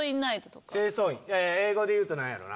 英語で言うと何やろな？